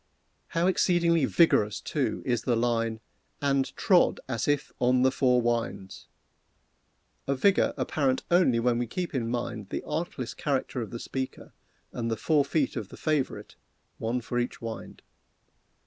How exceedingly vigorous, too, is the line, "And trod as if on the four winds!" A vigor apparent only when we keep in mind the artless character of the speaker and the four feet of the favorite, one for each wind.